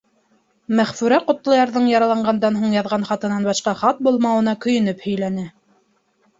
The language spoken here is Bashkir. Мәғфүрә Ҡотлоярҙың яраланғандан һуң яҙған хатынан башҡа хат булмауына көйөнөп һөйләне: